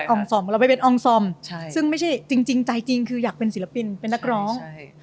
องซอมเราไปเป็นอองซอมซึ่งไม่ใช่จริงใจจริงคืออยากเป็นศิลปินเป็นนักร้อง